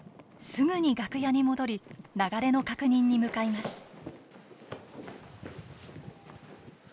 すぐに楽屋に戻り流れの確認に向かいます。